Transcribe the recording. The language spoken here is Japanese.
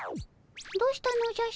どうしたのじゃ？